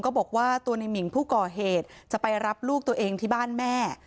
บอกว่าตัวในหมิ่งผู้ก่อเหตุจะไปรับลูกตัวเองที่บ้านแม่